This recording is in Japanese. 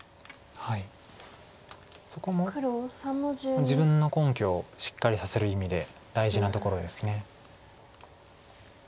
そこも自分の根拠をしっかりさせる意味で大事なところです。